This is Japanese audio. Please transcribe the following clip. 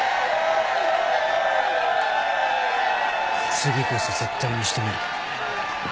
次こそ絶対に仕留める。